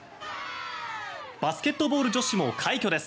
バスケットボール女子も快挙です。